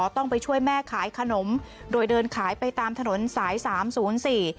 ต้องไปช่วยแม่ขายขนมโดยเดินขายไปตามถนนสายสามศูนย์สี่